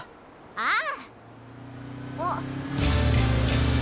ああ？